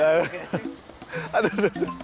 aduh aduh aduh